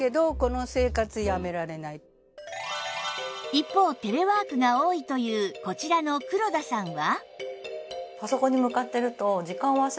一方テレワークが多いというこちらの黒田さんは